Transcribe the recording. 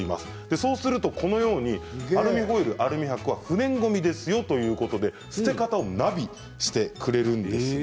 そうすると、このようにアルミホイル、アルミはくは不燃ごみですよと捨て方をナビしてくれるんですね。